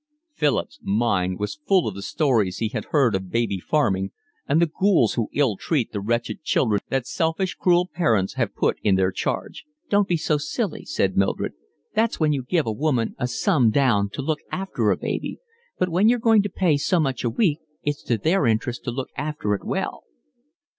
Philip's mind was full of the stories he had heard of baby farming and the ghouls who ill treat the wretched children that selfish, cruel parents have put in their charge. "Don't be so silly," said Mildred. "That's when you give a woman a sum down to look after a baby. But when you're going to pay so much a week it's to their interest to look after it well."